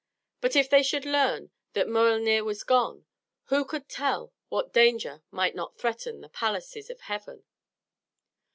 But if they should learn that Miölnir was gone, who could tell what danger might not threaten the palaces of heaven?